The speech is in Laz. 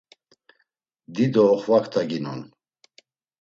Dido oxvaktaginon.